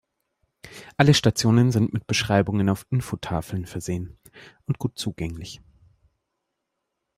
Alle Stationen sind mit Beschreibungen auf Infotafeln versehen und gut zugänglich.